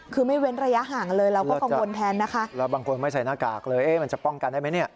คือไม่เว้นระยะห่างเลยเราก็กังวลแทนนะคะแล้วบางคนไม่ใส่หน้ากากเลยเอ๊ะมันจะป้องกันได้ไหมเนี่ย